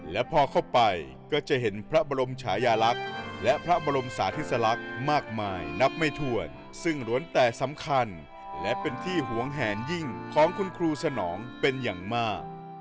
และพอเข้าไปก็จะเห็นพระบรมชายาลักษณ์และพระบรมสาธิสลักษณ์มากมายนับไม่ถวดซึ่งล้วนแต่สำคัญและเป็นที่หวงแหนยิ่งของคุณครูสนองเป็นอย่างมาก